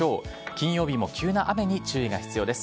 金曜日も急な雨に注意が必要です。